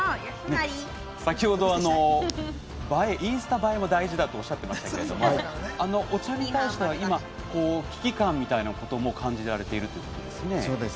先程、インスタ映えも大事だとおっしゃっていましたがお茶に対しては今危機感みたいなことも感じられているんですね？